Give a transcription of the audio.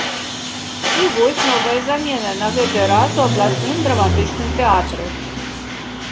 І вось новая замена, на гэты раз у абласным драматычным тэатры.